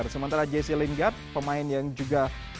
sementara jesse linggap pemain yang juga